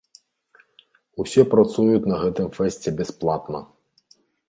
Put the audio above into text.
Усе працуюць на гэтым фэсце бясплатна.